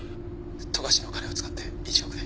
富樫の金を使って１億で。